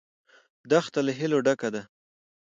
دښته له هیلو ډکه ده.